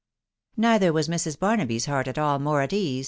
Neither was Mrs. Barnaby's heart at all more at eons.